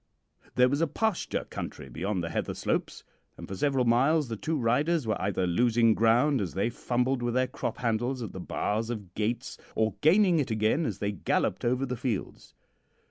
"There was a pasture country beyond the heather slopes, and for several miles the two riders were either losing ground as they fumbled with their crop handles at the bars of gates, or gaining it again as they galloped over the fields.